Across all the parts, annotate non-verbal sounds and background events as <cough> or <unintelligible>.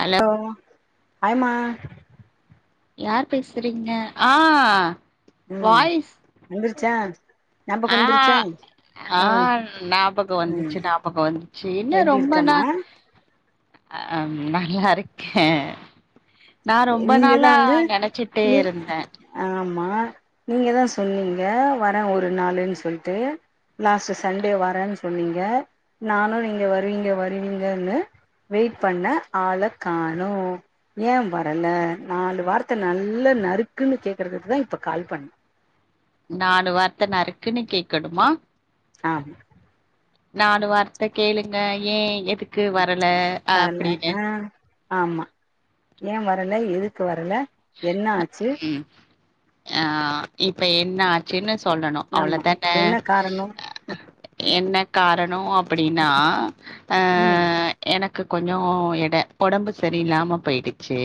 hello ஹ hi மா யார் பேசுறீங்க ஆஹ் உம் வந்தருச்சா ஆஹ் ஆஹ் ஞாபகம் ம் வந்துச்சு ஞாபகம் வந்துச்சு இன்ன எப்டி ரொம்ப இருக்கமா நாள் ஆஹ நல்லா இருக்கேன் நான் ரொம்ப நீங்க தா நாளா வந்து நினைச்சிட்டே இருந்தேன் மா நீங்க தான் சொன்னீங்க வரே ஒரு நாளுன்னு சொல்லிட்டு லாஸ்ட்ட் சண்டே வரேன்னு சொன்னீங்க நானும் நீங்க வருவீங்க வருவீங்கனு வெயிட் பண்ண ஆளை காணோம் ஏ வ ல்ல நாலு வார்த்தை நல்ல நறுக்குன்னு கேக்குறதுக்குதான் இப்ப கால் பண்ண நாலு வார்த்த நறுக்குன்னு கேக்கணும் ஆஹ் நாலு வார்த்தை கேளுங்க ஏன் எப் த்துக்கு வரல வரல அப்படின்னு ஆ ஆமா ஏன் வரல எதுக்கு வர என்ன ஆச்சு ஆஹ் இப்ப என்ன ஆச்சுன்னு சொல்லணும் ஆமா அவ்வளோதான என்ன காரணம் என்ன காரணம் அப்படின்னா ம் எனக்கு கொஞ்சம் இட உடம்பு சரில்லாம போயிடுச்சு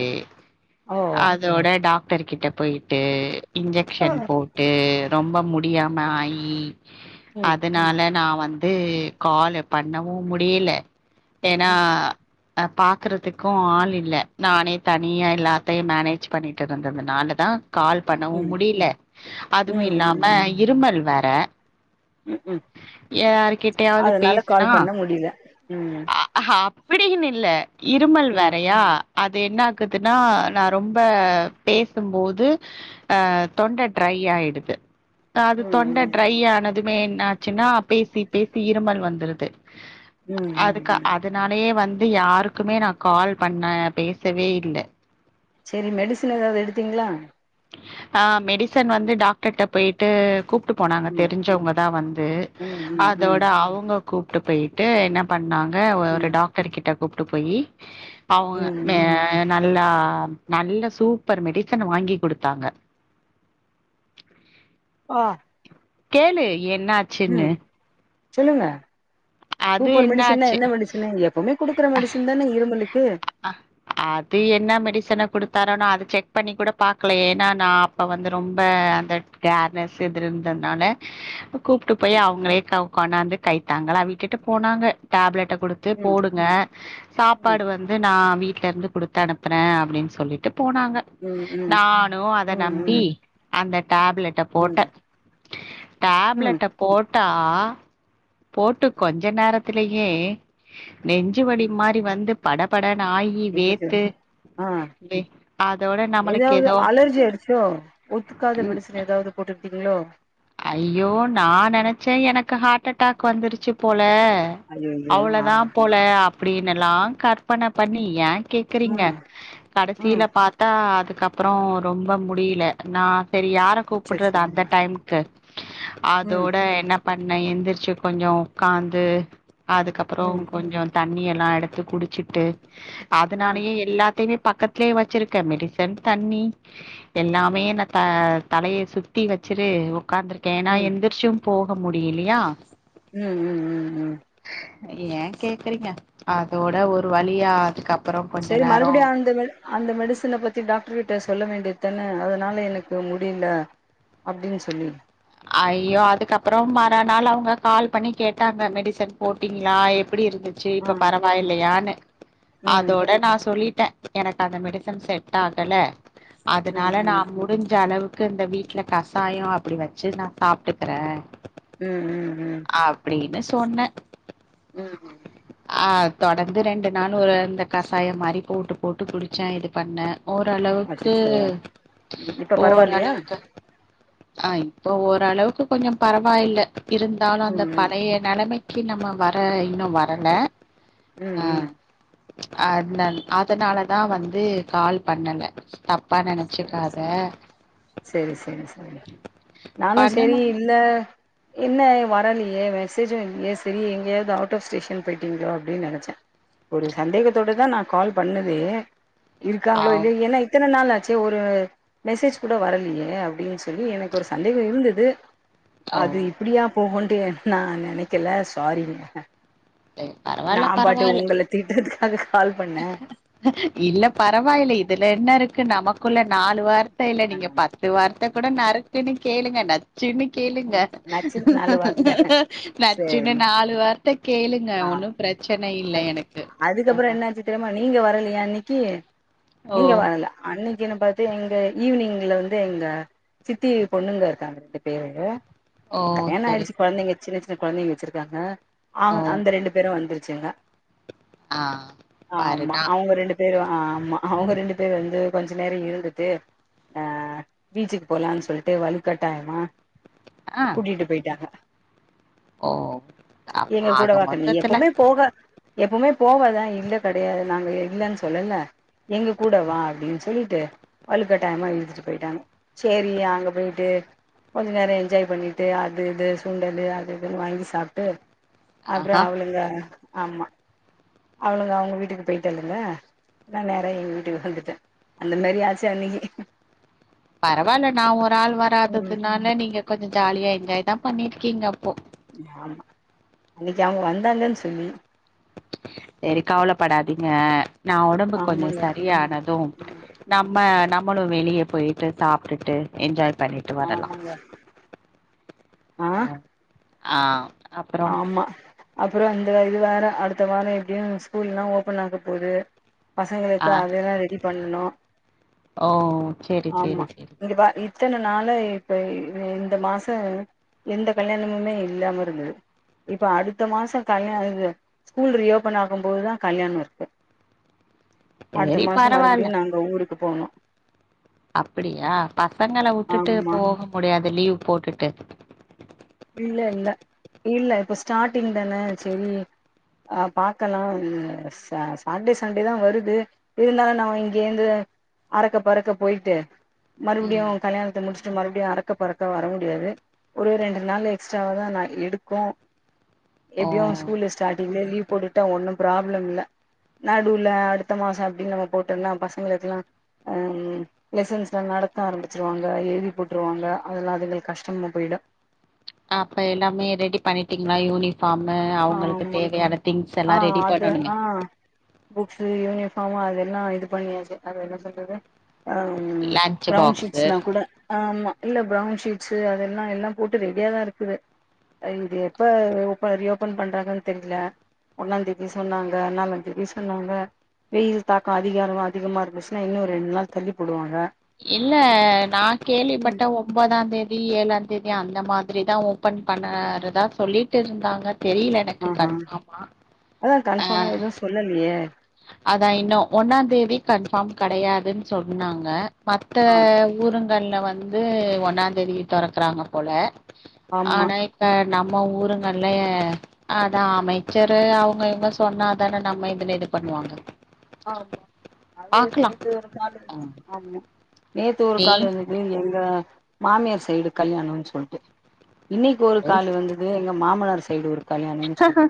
ஓ அதோட டாகர் த்தருக்கிட்ட போயிட்டு ஆ இன்ஜெக்ஷன் போட்டு ரொம்ப முடியாம ஆயி ம் அதனால நான் வந் வந்து கால பண்ணவும் முடில ஏன்னா ம் அஹ் பாக்குறதுக்கும் ஆள் இல்லை நானே தனியா இல்லா <unintelligible> மேனேஜ் பண்ணிட்டு இருந்ததுனால தான் கால் பண்ணவும் ம் முடியல அதுவும் ம் இல்லாம ம் ம் இருமல் வேற ம் ம் யாருக்கிட்டயாவது அதனால பேசனா கால் பண்ண முடியல ம் விடுனு இல்ல இருமல் ம் வேறையா அது என்ன ஆக்குதுன்னா ரொம்ப பேசும்போது அஹ் தொண்டை ட்ரை ஆயிடுது அது ம் தொண்டை ம் ட்ரை ஆனது எதுமே என்ன ஆச்சுன்னா பேசி பேசி இருமல் வந்துருது ம் ம் அதுக்கு ம் அதனாலயே வந்து ந்து யாருக்குமே நான் கால் பண்ணே பேசவே இல்லை சரி மெடிசன் ஏதாவது எடுத்தீங்ளா ஆ மெடிசன் வந்து டாக்டர்க்ட போயிட்டு கூப்ட்டு போனாங்க ம் தெரிஞ்சவங்க தான் வந்து ம் ம் ம் அதோட அவங்க கூப்ட்டு போயிட்டு என்ன பண்ணாங்க ஒரு ம் டாக்டர் கிட்ட கூட்டு போய் அவங்க ம் மே ம் ந நல்லா நல்ல சூப்பர் மெடிசன் வாங்கி குடு ட்டாங்க ஆஹ் கேளு என்ன ஆச்சுன்னு சொல்லுங்க சூப்பர் மெடிசின்னா என்னாச்சு எந்த மெடிசினு எப்பவுமே குடுக்குற மெடிசின்தான இரும்பலுக்கு கொடுத்தாரோ நா அத செக் பண்ணி கூட பாக்கல ஏன்னா நா அப்போ வந்து ரொம்ப அந்த கேர்லஸ் இது இருந்ததுனால கூப்ட்டு போய் ம் அவங்களே க கொண்டாந்து கைத்தாங்கலா விட்டுட் ட்டு போனாங்க டேப்லெட் கிட்ட கொடுத்து ம் போடுங்க ம் சாப்பாடு வந்து நா வீட்ல இருந்து குடுத்து அனுப்புறேன் அப்டின்னு சொல்லிட்டு போனாங்க ம் ம் நானும் அத ம் நம்பி ம் அந்த டேப்லெட்டை ம் போட்டேன் ம் டேப்லெட்ட போட்டா ஆ போட்டு கொஞ்ச நேரத்துலயே நெஞ்சு வலி ம் மாரி வந்து படப்பட <unintelligible> ஆ வே அதோட நம்மளுக்கு ஏதாவது ஏதோ அலர்ஜி ஆயிடுச்சோ ஒத்துக்காத ம் மெடிசன் ஏதாவது போட்டுக்டீங்களோ ஐயோ நா நெனைச்சேன் எனக்கு ஹார்ட் அட்டாக் வந்துருச்சு போல் ல ஐயையோ ஆ அவ்ளோதா போல அப் அப்படின்னுல்லாம் கற்பனை பண்ணி ஏன் கேக்குறீங்க ம் ம் கடைசில பாத்தா அதுக் க்க அப்பறம் ரொம்ப முடில நான் சரி யா <unintelligible> கூப்புடுறது அச்சச்சோ அந்த டைம்க் அ ம் அதோட என்ன பண்ண எந்திரிச்சு கொஞ்சம் உட்காந்து அதுக்கப்புறம் ம் கொஞ்சம் தண்ணி எல்லாம் எடுத்து குடிச்சிட்டு ஆ அதனாலயே எல்லாத்தையுமே பக்கத்தலயே வச்சிருக்கேன் மெடிசன் தண்ணி எல்லாமே ந த தலையை சுத்தி வச்சுரு உக்காந்துருக்கே நா ம் எந்திருச்சும் போ <unintelligible> முடியலையா ம் ம் ம் ம் ஏன் கேக்குறீங்க அதோட ஒரு வழியா அதுக்கப் சரி மறுபடியும் <unintelligible> அந்த மெடிசன பத்தி டாக்டர் கிட்ட சொல்ல வேண்டியத்தான்ன அதனால எனக்கு முடில அப்டின்னு சொல்லி ஐயோ அதுக்கப்றோ மறா நாள் அவங்க கால் பண்ணி கேட்டாங்க மெடிசன் போட்டீங்களா எப்டி இருந்துச்சு ஆ இப்ப பரவாயில்லையான்னு ம் ம் அதோட நான் சொல்லிட்டேன் எனக்கு அந்த மெடிசன் செட் ஆகல ம் அதனால நா ம் முடிஞ்ச அளவுக் இந்த வீட்டுல கசாயம் அப்டி வச்ச சேர் நான் சாப்ட்டுக்கறேன் உம் உம் உம் ன்னு சொன்ன ம் ஹும் ஆ தொடர்ந்து ரெண்டு நாள் ஒரு அந்த கஷாயம் மாரி போட்டு போட்டு குடிச்சே இது பண்ணே ஓரளவுக்கு அச்சச்சோ இப்ப பரவாயில்லையா ஓரளவுக்கு <unintelligible> இப்போ ஓரளவுக்கு கொஞ்சம் பரவாயில்ல இருந்தாலும் அந்த ம் ம் பழைய நலமை <unintelligible> நம்ம வர இன்னும் வரல உம் உம் அதனா அதனாலதா வந்து கால் பண்ணல <unintelligible> ப்பா சரி நனச்சிக்காத சரி நானும் சரி இல்ல என்ன வரலியே மெசேஜும் இல்லயே செரி எங்கேயாவது அவுட் ஆஃப் ஸ்டேஷன் போயிட்டீங்ளோ அப்டின்னு நினச்சேன் ஒரு சந்தேகத்தோடதான் நான் கால் பண்ணதே இருக்காங்களோ அவ் இல்லையோ ஏன்னா இத்தன நாள் ஆச் ஒரு மெசேஜ் கூட வரலையே அப்படின்னு சொல்லி எனக்கு ஒரு சந்தேகம் இருந்தது ஓ அது இப்படியா போகும்னு <unintelligible> நா நெனைக்கல சாரிங்க சேரி பரவால்ல நான் பாட்டு பரவால்ல உங்கள திட்டரது அது இல்ல பரவாயில்ல இதுல என்ன இருக் க்கு நமக்குள்ள நாலு வார் இல்ல இல்ல நீங்க பத்து வார்த்தை கூட நறுக்குன்னு கேளுங்க நச்சின்னு கேளுங்க நச்சுன்னு நாலு வார்த்த நச்சின்னு சேரி நாலு வார் கேளுங்க ஆ ஒன்னும் பிரச்சன இல்ல எனக்கு ஆ ஆ திரமா நீங்க வரலையா இன்னிக்கி ஓ நீங்க வரல அன்னைக்கு னை பாத்து எங்க ஈவினிங்ல வந்து எங்க சித்தி பொண்ணுங்க இருக்காங்க ரெண்டு பேரு ஓ கல்யாணம் சரி ஆயிச்சு சரி குழந்தைங்க சின்ன சின்ன த்தன குழந்தைங்க வச்சிருக்காங்க ஓ அந்த ரெண்டு பேரும் வந்துரு <unintelligible> ஆ ஆமா பாருனா அவங்க ரெண்டு பேரும் ஆ ம்மா அவங்க ரெண்டு பேர் வந்து கொஞ்ச நேரம் இருந்துட்டு அஹ் பீச்சுக்கு போலான்னு சொல்லிட்டு வழு கட்டாயமா ஆ கூட்டிட்டு போயிட்டாங்க ஓ எங்க அ கூடவாக்க நீ எப்பவுமே போக எப்பவுமே போவதான் இல்ல கிடையாது நாங்க இல்லன்னு சொல்லல எங்க கூட வா அப்டின்னு சொல்லிட்டு வழுக் கட்டாயமா இழுதிட்டு போயிட்டாங்க செரி அங்க போயிட்டு கொஞ்ச நேரம் என்ஜாய் பண்ணிட்டு அது இது சுண்டலு அது இதுன்னு வாங்கி சாப்ட்டு ஆஹா அப்புறம் அவளுங்க ஆமா அவனுங்க அவங்க வீட்டுக்கு போயிட்டல்லங்க நான் நேர எங்க வீட்டுக்கு வந்துட்டேன் அந்த மாரி ஆச்சி அன்னைக்கி வராதுனால நீங்க கொஞ்சம் ஜாலியா இங்க இதான் பண்ணிருக்கீங்க அப்போ ஆமா அன்னைக்கு அவங்க வந்தாங்கன்னு சொல்லி சரி கவலைப்படாதீங்க நான் உடம்பு கொஞ்சம் ஆமாங்க சரியானதும் நம்ம நம் நம்மளும் வெளிய போயிட்டு சாப்ட்டுட்டு என்ஜாய் பண்ணிட்டு வரலாம் ஆமாங்க ஆ ஹ ஆஹ் ஆமா அப்புறம் அந்த இது வாரம் அடுத்த வாரம் எப்படின்னு ஸ்கூல்ல்லாம் ஓபன் ஆக போகுது பசங்க ஆ எத்த அதெல்லாம் ரெடி பண்ணனும் ஓ செரி ஆமா செரி செரி இங்கப்ப இத்தனை நாலு இப்ப இந்த மாசம் எந்த கல்யாணமுமே இல்லாம இருந்தது இப்ப அடுத்த மாசம் கல்யாணம் இது ஸ்கூல் ரியோபென் ஆகும்போதுதான் கல்யாணம் இருக்கு அடுத்த செரி மாசம் பரவால்ல மறுபடியும் நாங்க ஊருக் க்கு போணும் அப்படியா பசங்களை வுட்டுட்டு ஆமா போக முடியாது லீவ் போட்டுட்டு இல்ல இல்ல இல்ல இப்ப ஸ்டார்ட்டிங் தான செரி அஹ் பாக்கலாம் ச சாட்டர்டே சண்டே தான் வருது இருந்தாலும் நான் இங்கந்து அறக்க பறக்க போய்ட்டு மறுபடியும் ம் அவன் கல்யாணத்தை முடிச்ச மறுபடியும் அறக்க பறக்க வர முடியாது ஒரு ரெண்டு அதனால எக்ஸ்ட்ராவ தான் நான் எடுக்கும் ஓ எப்டியு ஸ்கூலு ஸ்டார்டிங்ல லீவ் போட்டுட்டா ஒன்னும் ப்ராப்ளம் இல்ல நடுவுல அடுத்த மாசோ அப்டின்னு நம்ம போட்டோம்னா பசங்களுக்கெல்லா ஆ லெசன்ஸ்லா நடத்த ஆரம்பிச்சிருவாங்க எழுதி போட்ருவாங்க அதெல்லா அதுங்களுக்கு கஷ்டமா போயிடு அப்ப எல்லாமே ரெடி பண்ணிட்டீங்களா யூனி <unintelligible> அவங்களுக்கு ஆமா தேவையான திங்ஸ் ஆ எல்லாம் ரெடி அது பண்ணணுமே ஆ புக்ஸு யூனிஃபார்மு அதெல்லா இது பண்ணியாச்சு அத என்ன சொல்றது ஆ லன்ச் பிரவுன் பாக்ஸு ஷீட்ஸ்லா கூட ஆமா இல்ல ப்ரவுன் ஷீட்ஸ்சு அதெல்லாம் எல்லாம் போட்டு ரெடியா தான் இருக்குது இது எப்ப ப்ப ரியோப் ஓப்பன் பண்றாங்கன்னு தெரியல ஒன்னாந்ததி சொன்னாங்க நாலாம் தேதி சொன்னாங்க வெயில் தாக்கம் அதிகாரம் அதிகமா இருந்துச்சுன்னா இன்னும் ரெண்டு நாள் தள்ளி போடுவாங்க இல்ல நா ம் கேள்விப்பட்ட ஒம்பதாந் தேதி ஏழாந் தேதி அந்த மாதிரி தான் ஓபன் பண்ணறதா சொல்லிட்டு இருந்தாங்க தெரியல எனக்கு ஆஹ் ஹா கன்ஃபார்மா அதா கன்ஃபார்ம் எதுவு சொல்லலையே அதான் இன்னும் ஒன்னாந்தேதி கன்ஃபார்ம் கடையாதுன்னு சொன்னாங்க மத்த ஆமா ஊருங்கள்ல வந் வந்து ஒண்ணாந்தேதி தொறக்கறாங்க போல ஆமா ஆனா இப்ப நம்ம ஊருங்கல்ல அதா அமைச்சரு அவங்க இவங்க சொன்னாதான நம்ம இதுல இது பண்ணுவாங்க ஆமா அது பாக்கலா நேத்து ஒரு கால் ஆ ஆமா நேத்து ஒரு நீ கால் வந்தது எங்க மாமியார் சைடு கல்யாணோன்னு சொல்ட்டு இன்னிக்கு ஒரு கால் வந்தது எங்க மாமனார் செ சைடு ஒரு கல்யாணம்னு சொல்லிட்டு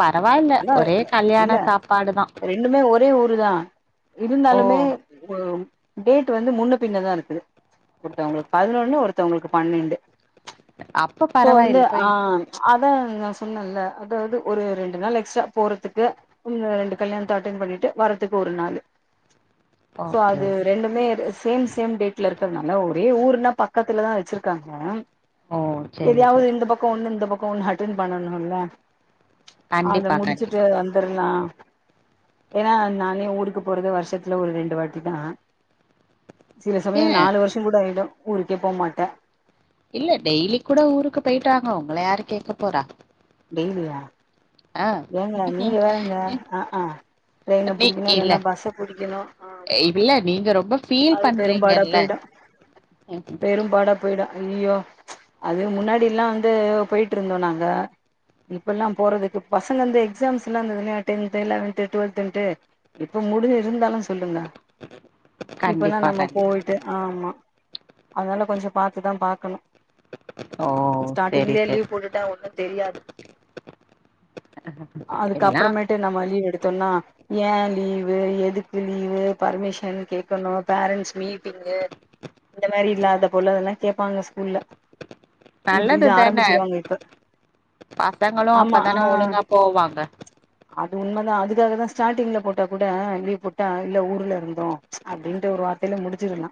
பரவால்ல ஆனா ஒரே கல்யாண இல்ல சாப்பாடுதா ரெண்டுமே ஒரே ஊரு தான் ஓ இருந்தாலுமே உ டேட் வந்து முன்ன பின்னதா இருக்குது ஒருத்தவங்களுக்கு பதினொன்னு ஒருத்தவங்களுக்கு பன்னெண்டு அப்ப சோ வந்து பரவாயில்ல போய் ஆஹ் அத் அதான் நான் சொன்னல்ல அதாவது ஒரு ரெண்டு நாள் எக்ஸ்ட்ரா போறதுக்கு ஒண்ணு ரெண்டு கல்யாந்த அட்டென் பண்ணிட்டு வர்றதுக்கு ஒரு நாள் சோ ஓகே அது ஓகே ரெண்டுமே சேம் சேம் டேட்ல இருக்கறனால ஒரே ஊர்ல பக்கத்துலதா வச்சிருக்காங்க ஓ சேரி எதாவது சேரி இந்த பக்கோ ஒண்ணு இந்த பக் ஃபோன் அட்டன் பண்ணணும்ல அத கண்டிப்பா முடிச்சிட்டு கண்டிப்பா வந்தர்லாம் ஏன்னா நானே ஊருக்கு போறது வருஷத்துல ஒரு ரெண்டு வாட்டி தான் சில ஏ சமயோ நாலு வருஷங் கூட ஆயிடு ஊருக்கே போமாட்டே இல்ல டெய்லி கூட ஊருக்கு போயிட்டு வாங்க உங்கள யாரு கேக்க போறா டெய்லியா ஆ ஏங்க நீங்க வேறங்க அ ஆ ட்ரெயின நீ பிடிக்கணு இல்ல இல்லைன்னா பஸ்ஸ பிடிக்கணு ஆமா இல்ல நீங்க ரொம்ப ஃபீல் அது பெரும்பாடா பண்றீங்கல்ல போயிடு பெரும்பாடா போயிடு ஐயோ அது முன்னாடி எல்லாம் வந்து போய்ட்ருந்தோ நாங்க இப்ப எல்லாம் போறதுக்கு பசங்க வந்து எக்ஸாம்ஸ் எல்லா இருந்துதுங்க டென்த்து லெவன்த்து டுவெல்த்துன்ட்டு இப்ப முடிஞ்சுது இருந்தாலு சொல்லுங்க இப்பல்லா கண்டிப்பா நம்ம கண்டிப்பா போயிட்டு ஆ ஆமா அதனால கொஞ்ச பாத்துதா பாக்கணு ஓ செரி ஸ்டார்ட்டிங்லயே செரி லீவ் போட்டுட்டா ஒண்ணும் தெரியாது எல்லா அதுக்கப்புறமேட்டு நம்ம லீவ் எடுத்தோம்னா ஏன் லீவ் லீவு எதுக்கு லீவு பர்மிஷன் கேக்கணு பேரண்ட்ஸ் மீட்டிங்கு இந்த மாரி இல்லாத போல அதெல்லா கேப்பாங்க ஸ்கூல்ல இது நல்லது இது தான ஆரம்பிச்சிருவாங்க இப்ப பசங்களு ஆமா அப்பதான ஆ ஒழுங்கா போவாங்க அது உண்மதா அதுக்காகதா ஸ்டார்ட்டிங்ல போட்டா கூட லீவ் போட்டா இல்ல ஊர்ல இருந்தோ அப்டின்ட்டு ஒரு வார்த்தைல முடிச்சிடலா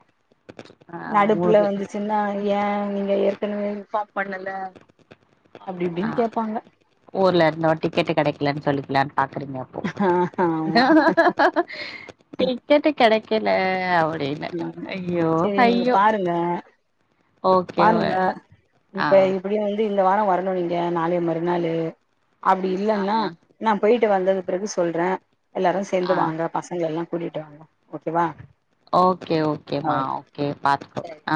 ஆ நடுப்புல ஊரு வந்துச்சுன்னா ஏன் நீங்க எதுக் ஏற்கனவே இன்ஃபார்ம் பண்ணல அப்டி ஆ இப்டின்னு <unintelligible> ஊர்ல இருந்தோ டிக்கெட்டு கெடைக்கலன்னு சொல்லிக்கலான் பாக்கறீங்க அப்போ ஆமா டிக்கெட்டு கெடைக் க்கில அவ ஆமா செரி நீங்க பாருங்க ஓகே பாருங்க ஆ இப்ப இப்டியே வந்து இந்த வாரோ வரணு நீங்க நாளைய மறுநாளு அப்டி ஆ இல்லன்னா நான் போய் ட்டு வந்தது பிறகு சொல்றே எல்லாரும் ஆ சேந்து வாங்க பசங்க எல்லா கூட்டிட்டு வாங்க ஓகேவா ஓகே ஓகேமா ஓகே பாக்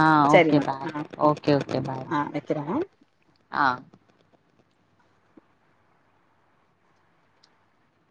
ஆ ஓகே சரிம்மா பாய் ஆ ஓகே ஓகே பாய்மா ஆ வைக்கிறே ஆ